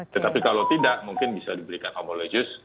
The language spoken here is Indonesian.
tetapi kalau tidak mungkin bisa diberikan oleh homologus